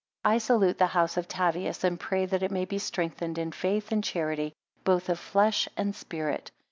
25 I salute the house of Tavias, and pray that it may be strengthened in faith and charity, both of flesh and spirit.